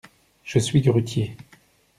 Je suis grutier.